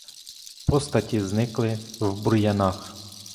Постаті зникли в бур'янах.